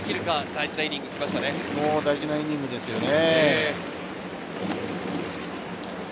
大事なイニングですよね。